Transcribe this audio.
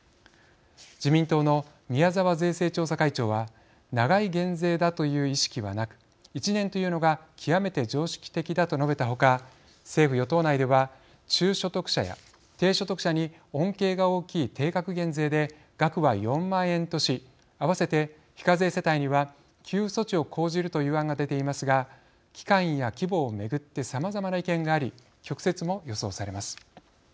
自民党の宮沢税制調査会長は「長い減税だという意識はなく１年というのが極めて常識的だ」と述べた他政府・与党内では中所得者や低所得者に恩恵が大きい定額減税で額は４万円とし合わせて非課税世帯には給付措置を講じるという案が出ていますが期間や規模を巡ってさまざまな意見があり曲折も予想されます。